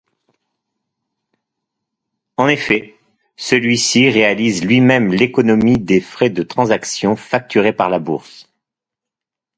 En effet, celui-ci réalise lui-même l’économie des frais de transaction facturés par la Bourse.